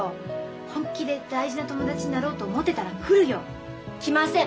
本気で大事な友達になろうと思ってたら来るよ。来ません。